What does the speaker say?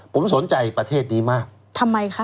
ผมสนใจประเทศนี้มากทำไมคะ